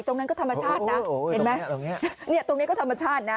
ตรงนั้นก็ธรรมชาตินะเห็นไหมเนี่ยตรงนี้ก็ธรรมชาตินะ